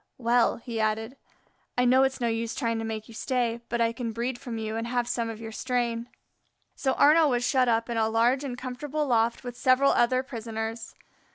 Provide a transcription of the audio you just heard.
"Well," he added, "I know it's no use trying to make you stay, but I can breed from you and have some of your strain." So Arnaux was shut up in a large and comfortable loft with several other prisoners.